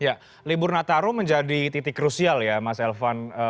ya libur nataru menjadi titik krusial ya mas elvan